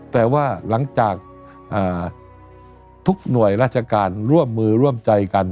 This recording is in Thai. แต่ว่าหลังจากทุกหน่วยราชการร่วมมือร่วมใจกัน